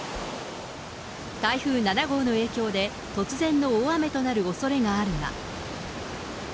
台風７号の影響で、突然の大雨となるおそれがあるが。